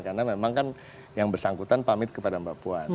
karena memang kan yang bersangkutan pamit kepada mbak puan